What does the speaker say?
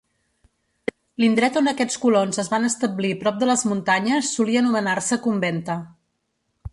L'indret on aquests colons es van establir prop de les muntanyes solia anomenar-se Conventa.